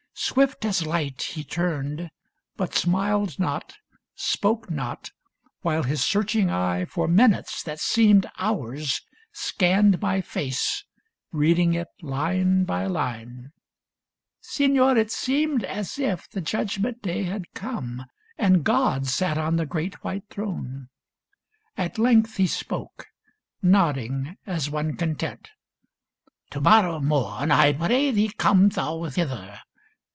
Swift as light he turned. But smiled not, spoke not, while his searching eye For minutes that seemed hours scanned my face, Reading it line by line. Signor, it seemed As if the judgment day had come, and God Sat on the great white throne ! At length he spoke, Nodding as one content —" To morrow morn I pray thee come thou hither.